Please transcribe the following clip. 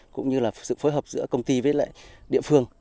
cũng như là sự phối hợp giữa công ty với lại địa phương